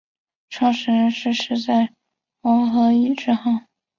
创始人是徐载弼和尹致昊。